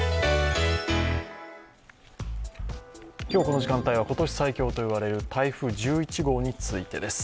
今日この時間帯は今年最強と言われる台風１１号についてです。